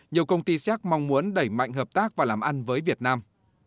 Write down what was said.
nhiều công ty séc mong muốn đẩy mạnh hợp tác và làm ăn với việt nam